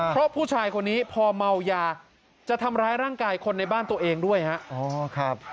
เพราะผู้ชายคนนี้พอเมายาจะทำร้ายร่างกายคนในบ้านตัวเองด้วยครับ